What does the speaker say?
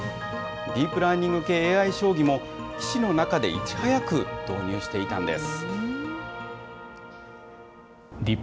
ディープラーニング系ＡＩ将棋も、棋士の中でいち早く導入していたんです。